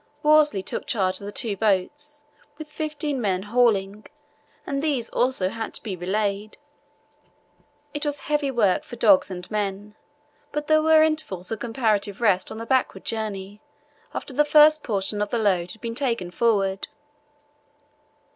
Worsley took charge of the two boats, with fifteen men hauling, and these also had to be relayed. It was heavy work for dogs and men, but there were intervals of comparative rest on the backward journey, after the first portion of the load had been taken forward.